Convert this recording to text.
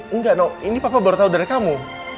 enggak noh ini papa baru tau dari kamu